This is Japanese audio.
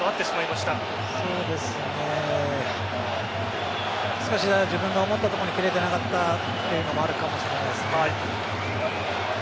しかし自分が思った所に蹴れてなかったというのもあるかもしれないですね。